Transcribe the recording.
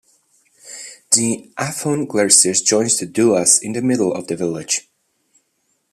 The Afon Glesyrch joins the Dulas in the middle of the village.